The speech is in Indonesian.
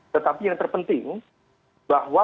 tetapi yang terpenting bahwa